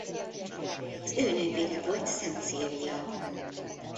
Az ő nővére volt Szent Szilvia.